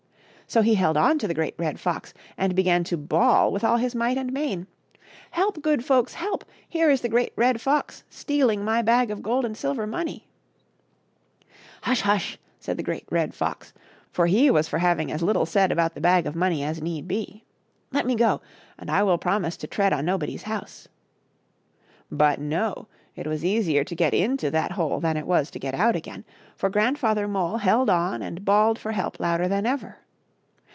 So he held on to the Great Red Fox and began to bawl with all his might and main, '' Help, good folks ! help ! here is the Great Red Fox stealing my bag of gold and silver money !"" Hush ! hush !" said the Great Red Fox, for he was for having as little C^ (SnsdVitbfotmttf^ HiMinb^d^^ said about the bag of money as need be, " let me go and I will promise to tread on nobody's house." But no, it was easier to get into that hole than it was to get out again, for Grandfather Mole held on and bawled for help louder than ever.